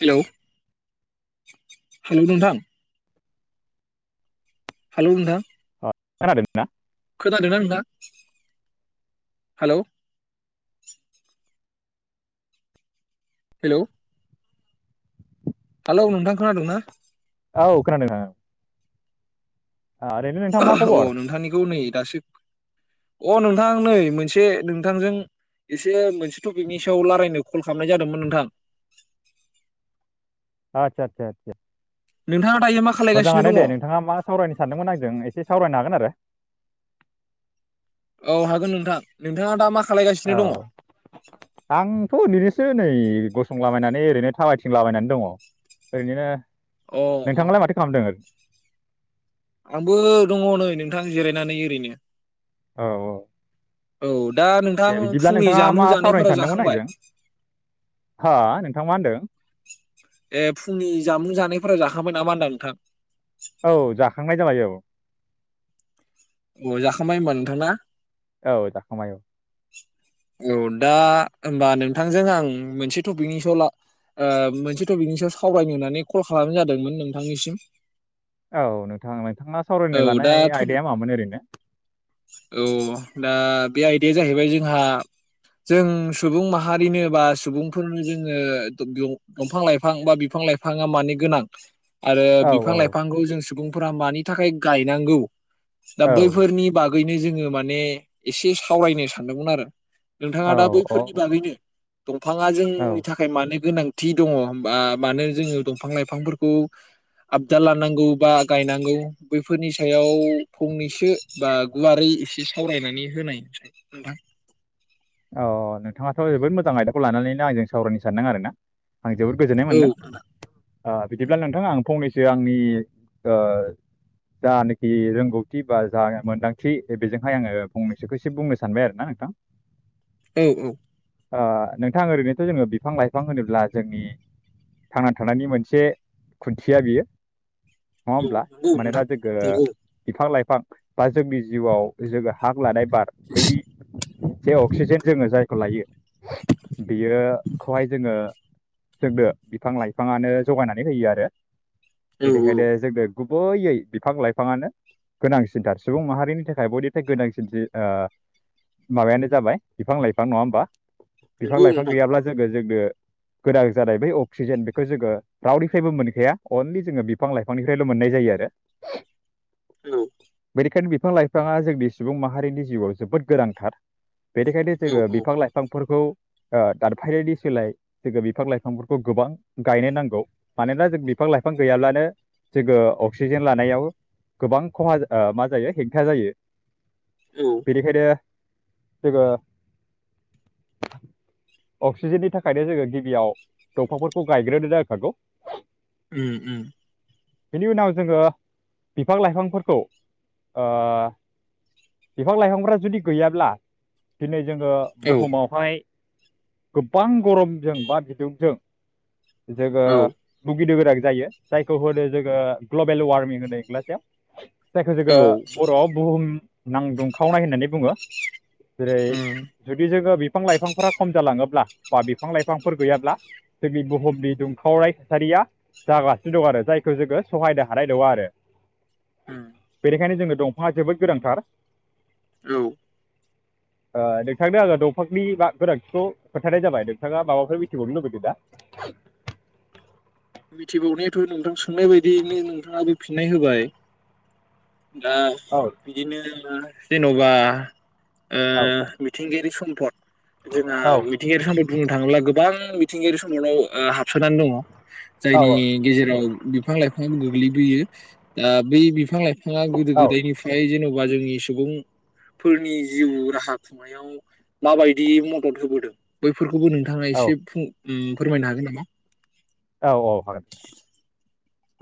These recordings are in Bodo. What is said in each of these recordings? हेलौ हेलौ नोंथां हालौ नोंथां खोनादों ना? खोनादो ना नोंथां हेलौ हेलौ हेलौ नोंथां खोनादोंना? औ खोनादों नोंथां ओ ओरैनो नोंथां मा ओ खबर? नोंथांनिखौ नै दासो अह नों थां नै मोनसे नोंथांजों एसे मोनसे टपिकनि सायाव रायलायनो कल खालामनाय जादोमोन नोंथां। आतसा आतसा आतसा नोंथाङा दायो मा खालायगासिनो मोजाङानो दङ दे औ नोंथाङा मा सावरायनो सानदोंमोन आंजों एसे सावरायनो हागोन आरो औ हागोन नोंथां नोंथाङा दा मा खा औ आंथ' ओरैनोसो नै गसंलाबायनानै ओरैनो थाबायथिंलाबायनानै दङ ओरैनो अ नोंथांलाय माथो खालामदों आंबो दङ नै नोंथां जिरायनानै ओरैनो औ औ औ दा नोंथां दे बिदिब्ला फुंनि नोंथाङा जामुं मा सावरायनो जानायफोरा सानदोंमोन जाखांबाय आंजों हा नोंथां मा होनदों ए फुंनि जामुं जानायफोरा जाखांनाय नों था मा होनदा नोंथां औ जाखांनाय बाय औ अ जाखांबाय होनबा नोंथां ना? औ जाखांबाय औ औ दा होबा नोंथांजों आं मोनसे टपिकनि सायाव ला ओ मोनसे टपिकनि सायाव सावरायनो होननानै कल खालाम जादोंमोन नोंथांनिसिम औ नोंथां नोंथाङा औ सावरायनो दा लानाय टपिक आयदाया मामोन? ओरैनो औ दा बे आयदाया जाहैबाय जोंहा जों सुबुं माहारिनो बा सुबुंफोरनो जोङो दंफां लाइफां बा बिफां लाइफाङा मानि गोनां आरो औ बिफां औ लाइफांखौ जों सुबुं फोरा मानि थाखाय गायनांगौ दा औ बैफोरनि बा गैनो जोङो माने एसे सावरायनो सानदोंमोन आरो। नोंथाङा दा औ बैफोरनि औ बागैनो दंफाङा जोंनि औ थाखाय मानो गोनां थि दङ बा मानो जोङो दंफां लाइफांफोरखौ आबदा लानांगौ बा गायनांगौ बैफोरनि सायाव फंनैसो बा गुवारै एसे सावरायनानै होनाय नोंथां। अ नोंथाङाथ' जोबोद मोजां आयदाखौ लानानैनो आंजों सावरायनो सानदों आरो ना आं जोबोद गोजोननाय औ मोनदों ओ बिदिब्ला नोंथां आं फंनैसो जे आंनि ओ जानाखि रोंगौथि बा जा मोनदांथि बेजोंहाय आङो फंनैसोखौ एसे बुंनो सानबाय आरोना नोंथां। औ औ। ओ नोंथाङा ओरैनोथ' जोङो बिफां लाइफां होनोब्ला जोंनि थांनानै थानायनि मोनसे खुन्थिया बियो नङा होमब्ला? नंगौ मानोना नोंथां जोंगो नंगौ बिफां लाइफां बा बा जोंनि जिउआव जोङो हां लानाय बार बै जे अक्सिजेन जोङो जायखौ लायो बियोखौहाय जोङो जोंनो बिफां लाइफाङानो जगायनानै होयो आरो। औ औ दिबिखायनो जोंनो गुबैयै बिफां लाइफाङानो गोनांसिनथार सुबुं माहारिनि थाखाय बयनिफ्राय गोनांसिन माबायानो जाबाय बिफां लाइफां नङा होमबा? बिफां नंगौ लाइफां नोंथां गैयाब्ला जोङो जोंनो गोदान जानाय बै अक्सिजेन बेखौ जोङो रावनिफ्रायबो मोनखाया अनलि जोङो बिफां लाइफांनिफ्रायल मोननाय जायो आरो। औ। बेखायनो बिफां लाइफाङा जोंनि सुबुं माहारिनि जिउआव जोबोद गोनांथार। बेनिखायनो औ जोङो बिफां लाइफांफोरखौ ओ दादफायनि सोलाय जोङो बिफां लाइफांफोरखौ गोबां गायनो नांगौ मानोना जों बिफां लाइफां गैयाब्लानो जोङो अक्सिजेन लानायाव गोबां खहा मा जायो हेंथा जायो। औ बेनिखायनो जोङो अक्सिजेननि थाखायनो जोङो गिबियाव दंफांफोरखौ गायग्रोनो जखागौ। ओम ओम। बेनि उनाव जोङो बिफां लाइफांफोरखौ ओ बिफां लाइफांफ्रा जुदि गैया ब्ला दिनै जोङो औ बुहुमावहाय गोबां गरमजों बा बिदुंजों जोङो औ बुगि गोनां जायो जायखौ होदो जोङो ग्लबेल वार्मिं होदो इंराजियाव। जायखौ जोङो औ बर' बुहुम नां दुंखावनाय होननानै बुङो जेरै उम जुदि जोङो बे बिफां लाइफांफोरा खम जालाङोब्ला बा बिफां लाइफांफोर गैयाब्ला जोंनि बुहुमनि दुंखावराय थासारिया जागासिनो दं आरो जायखौ जोङो सहायनो हानाय दङ आरो। ओम। बेखायनो जोंनो दंफाङा जोबोद गोनांथार। औ। ओ नोंथांनो आङो दंफांनि गोनांथिखौ खोथानाय जाबाय नोंथाङा माबाफोर मिथिबावनो लुबैबावदों ना? मिथिबावनायाथ नोंथां सोंनाय बायदियैनो नोंथाङाबो फिननाय होबाय दा औ बिदिनो जेनबा ओ औ मिथिंगायारि सम फद जोंहा औ मिथिंगायारि समनि बुंनो थाङोब्ला गोबां मिथिंगायारि समावनाव हाबसोनानै दङ। औ जायनि गेजेराव बिफां लाइफाङा गोग्लैबोयो दा बै बिफां लाइफां बिथाङा गोदो औ गोदायनिफ्राय जेनबा जोंनि सुबुंफोरनि जिउ राहा खुंनायाव माबायदि मदद होबोदों बैफोर फोरखौबो नोंथाङा एसे उम फोरमायनो हागोन नामा? औ औ हागोन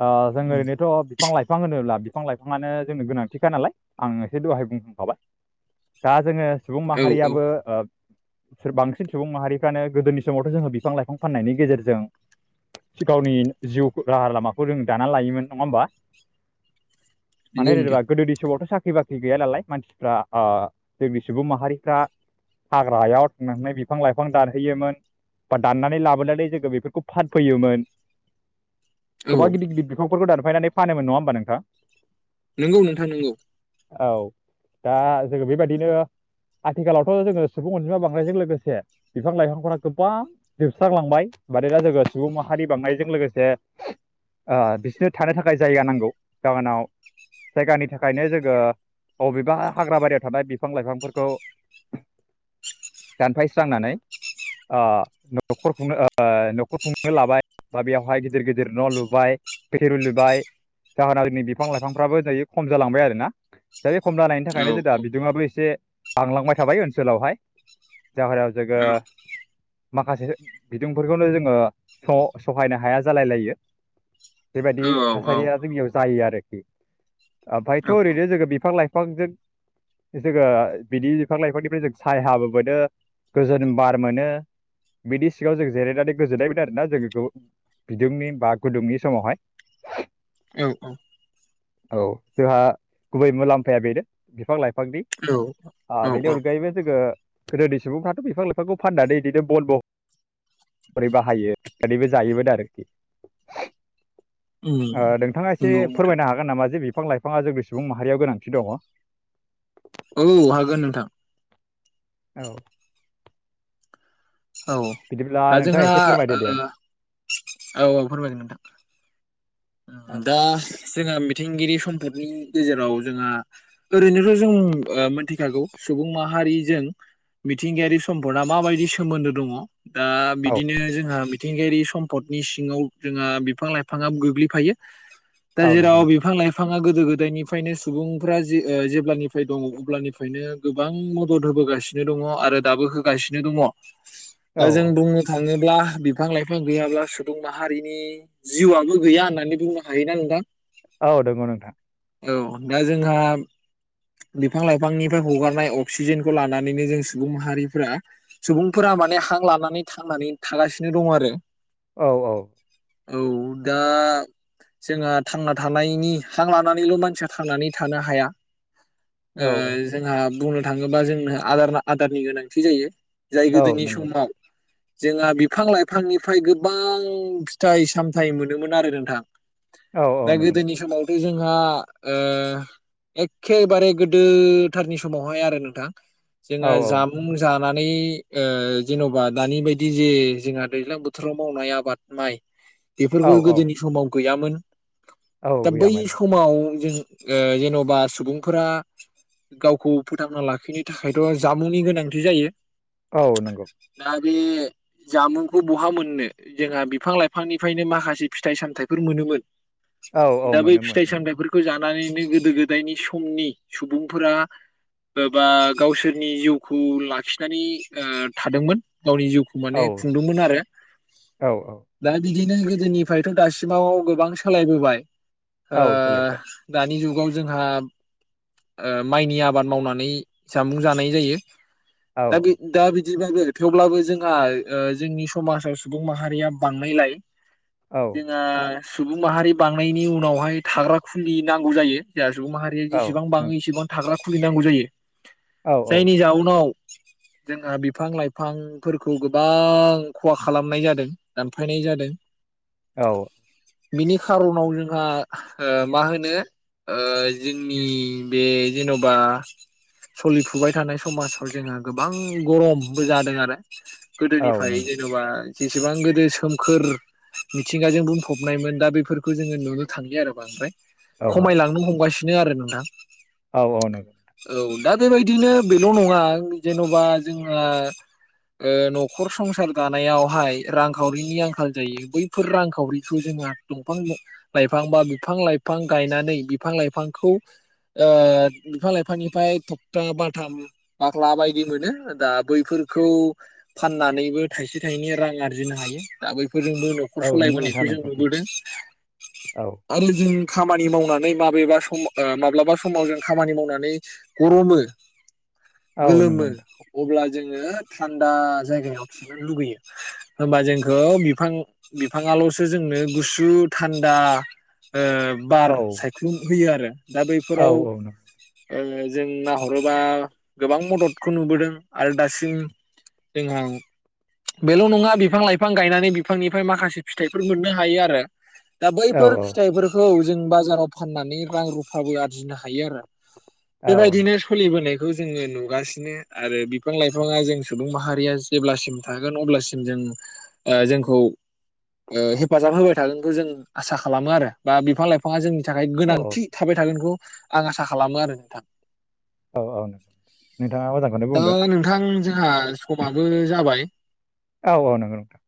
ओ जोङो औ ओरैनोथ' बिफां लाइफां होनोब्ला बिफां लाइफाङानो जोंनो गोनांथिखा नालाय आं एसे दहाय बुंखांखाबाय दा जोङो सुबुं औ माहारियाबो बांसिन सुबुं माहारिफ्रानो गोदोनि समावथ' जोङो बिफां लाइफां फाननायनि गेजेरजों गावनि जिउ राहा लामाखौ जों दाना लायोमोन नङा होमबा नंगौ माने नोंथां जेनेबा गोदोनि सबावथ' साख्रि बाख्रि गैया नालाय मानसिफ्रा जोंनि सुबुं माहारिफ्रा हाग्रायाव थांनानै बिफां लाइफां दानहैयोमोन बा दाननानै लाबोनानै जोङो बेफोरखौ फानफैयोमोन औ गोबां गिदिर गिदिर बिफांफोरखौ दादों दानफायनानै फानोमोन नङा होमबा नोंथां? नंगौ नोंथां नंगौ औ दा जोङो बेबायदिनो आथिखालावथ' जोङो सुबुं अनजिमा बांनायजों लोगोसे बिफां लाइफांफोरा गोबां जोबस्रांलांबाय मान दा जोङो सुबुं माहारि बांनायजों लोगोसे ओ बिसनो थानो थाखाय जायगा नांगौ बागोनाव जायगानि थाखायनो जोङो अबेबा हाग्रा बारियाव थानाय बिफां लाइफांफोरखौ दानफायस्रांनानै न'खर खुंनो न'खर खुंनो लाबाय बा बेवहाय गिदिर गिदिर न' लुब [unintelligible] जाहोना दिनै बिफां लाइफांफ्राबो होनजायो खम जालांबाय आरोना दा बे खम जानायनि औ औ थाखायनो जों दा बिदुङाबो एसे बांलांबाय थाबाय ओनसोलावहाय जाहरायाव जोङो औ माखासे बिदुंफोरखौनो जोङो सहायनो हाया जालाय लायो। बेबायदि थासारिया जोंनियाव जायो आरो। [inaudible] ओमफ्रायथ' ओरैनो जों बिफां-लाइफां बिफांजों जोङो बिदि बिफां लाइफांनिफ्राय जों सायाबो मोनो गोजोन बार मोनो बिदि सिगाङाव जों जिरायनानै गोजोननाय मोनदों आरोना जों बिदुंनि बाग गुदुंनि समावहाय। औ औ। औ जोंहा गुबै मुलाम्फाया बेनो बिफां-लाइफां बेनि औ औ औ अनगायैबो जोङो गोदोनि सुबुंफ्राथ' बिफां लाइफांखौ फाननानै बिदिनो बन महरै बाहायो नानैबो जायोमोन आरोखि। [unintelligible] उम ओ नोंथाङा एसे नंगौ नोंथां फोरमायनो हागोन नामा जे बि बिफां लाइफाङा जोंनि सुबुं माहारियाव गोनांथि दङ। औ हागोन नोंथां। औ। औ दा जोंहा एसे फोरमायदो दे औ औ फोरमायगोन नोंथां। औ दा जोंहा मिथिंगायारि सम्फदनि गेजेराव जोंहा ओरैनोथ' जों ओ मोनथिखागौ सुबुं माहारिजों मिथिंगायारि सम्फदआ माबायदि सोमोन्दो दङ। ओ औ बिदिनो जोंहा मि मिथिंगायारि सम्दनि सिङाव जोंहा बिफां लाइफाङा गोग्लै फायो। दा औ नंगौ जेराव नोंथां बिफां लाइफांआ गो गोदो गोदायनिफ्रायनो सुबुंफ्रा जे ओ जेब्लानिफ्राय दङ अब्लानिफ्रायनो गोबां मदद होबोगासिनो दङ आरो दाबो होगासिनो दङ। दा औ जों औ बुंनो थाङो ब्ला बिफां लाइफां गैयाब्ला सुबुं माहारिनि जिउआबो गैया होना बिदि बुंनो हायो ना नोंथां? औ दङ नोंथां। औ दा जोंहा बिफां लाइफांनिफ्राय हगारनाय अक्सिजेनखौ लानानैनो जों सुबुं माहारिफोरा सुबुंफोरा माने हां लानानै थांनानै थागासिनो दं आरो। औ औ। औ दा जोंहा थांना थानायनि हां लानानैल' मानसिया थांनानै थानो हाया। औ ओ जोंहा बुंनो थाङोबा जोंनो आदारना आदारनि गोनांथि जायो। जाय औ गोदोनि नंगौ समाव जोंहा बिफां लाइफांनिफ्राय गोबां फिथाइ सामथायाइ मोनोमोन आरो नोंथां। औ दा औ नंगौ गोदोनि नोंथां समाव जोंहा ओ एखेबारे गोदोथारनि समावहाय आरो नोंथां। औ जोङो औ जामुं जा नानै ओ जेन'बा दानि बायदि जे जोंहा दैज्लां बोथोराव मावनाय आबाद माइ औ बेफोरखौ औ गोदोनि समाव गैयामोन। औ दा बै गैयामोन समाव जोंङो ओ जेन'बा सुबुंफोरा गावखौ फोथांना लाखिनो थाखायथ' जामुंनि गोनांथि जायो। औ नंगौ दा बे जामुंखौ बहा मोननो जोंहा बिफां लाइफांनिफ्रायनो माखासे फिथाइ सामथाय फोर मोनोमोन। औ औ दा बै मोनोमोन फिथाइ सामथाइफोरखौ जा नानैनो गोदो गोदायनि समनि सुबुंफोरा ओ बा गावसोरनि जिउखौ लाखिनानै ओ थादोंमोन। गावनि जिउखौ माने औ खुंदोंमोन आरो औ औ दा बिदिनो गोदोनिफ्रायथ' दासि माव गोबां सोलायबोबाय। ओ औ सोलायबाय दानि जुग गाव जोंहा ओ माइनि आबाद मावनानै जामुं जानाय जायो। औ दा गि दा बि बिदिबो थेवब्लाबो जोंहा जोंनि समाजाव सुबुं माहारिया बांनायलाय औ जोंङा सुबुं माहारि बांनायनि उनावहाय थाग्रा खुलि नांगौ जायो जोंहा सुबुं माहारि औ इसिबां बाङो नंगौ इसेबां थाग्रा खुलिनांगौ जायो औ जायनि जाउनाव जोंहा बिफां लाइफांफोरखौ गोबां खहा खालामनाय जादों दानफायनाय जादों औ बिनि खार'नाव जोंहा ओ मा होनो ओ जों जोंनि बे जेन'बा सोलिफुबाय थानाय समाजाव जोङो गोबां गरमबो जादों आरो औ औ गोदोनिफ्राय नंगौ जेन'बा जेसेबां गोदो सोमखोर मिथिंगाजों बुंफबनायमोन दा बेफोरखौ जोङो नुनो थांलिया आरो बांद्राय औ खमायलांनो हमगासिनो बिदिनो आरो नोंथां औ औ नोंगौ औ दा बेबायदिनो बेल' नङा जेन'बा जोंहा ओ न'खर संसार दानायावहाय रांखावरिनि आंखाल जायो बैफोर रांखावरिखौ जोंङो दंफां लाइफां बा बिफां लाइफां गायनानै बिफां लाइफां खौ बिफां लाइफांनिफ्राय थखथा बाथाम बाख्ला बायदि मोनो। दा बैफोरखौ फाननानैबो थाइसे थाइनै रां आरजिनो हायो दा बै फोरजोंबो न'खर औ नंगौ सालायबोनायखौ नोंथां जों नंगौ थिग नुबोदों औ आरो जों खामानि मावनानै माबेबा सम ओ माब्लाबा समाव जों खामानि मावनानै गरमो औ नंगौ गोलोमो नोंथां अब्ला जोङो थान्दा जायगायाव थिनो लुुबैयो होमबा जोंखौ बिफां बिफाङाल'सो जोंनो गुसु थान्दा ओ बार औ सायख्लुम होयो आरो दा औ बैफोराव औ नंगौ ओ जों नाहरोबा गोबां मददखौ नुबोदों आरो दासिम जोंहा बेल' नङा बिफां लाइफां गायनानै बिफांनिफाय माखासे फिथाइफोर मोननो हायो आरो दा औ बैफोर फिथाइफोरखौ जों बाजाराव फाननानै रां रू फाबो आरजिनो हायो आरो औ बेबायदिनो सलिबोनाय [unintelligible] जोङो नुगासिनो आरो बिफां लाइफाङा जों सुबुं माहारिया जेब्लासिम थागोन अब्लासिम जों ओ जोंखौ ओ हेफाजाब होबाय थागोनखौ जों आसा खालामो आरो बा बिफां लाइफाङा जोंनि थाखाय औ गोनांथि [unintelligible] आं आसा खालामो आरो नोंथां औ औ नंगौ नोंथाङा मोजांखौनो दा बुंदों नोंथां जोंहा समाबो जाबाय औ औ नंगौ नोंथां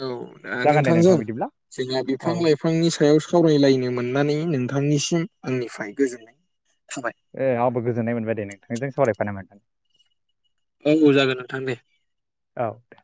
औ [unintelligible] जागोन दे नोंथांजों नोंथां बिदिब्ला जोंहा औ बिफां लाइफांनि सायाव स सावरायलायनो मोननानै नोंथांनिसिम आंनिफ्राय गोजोननाय थाबाय ए आंबो गोजोन्नाय मोनबाय दे नोंथांजों सावरायफानो [unintelligible] औ जागोन नोंथां दे औ दे